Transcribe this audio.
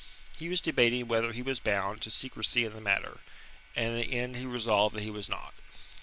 He was debating whether he was bound to secrecy in the matter, and in the end he resolved that he was not.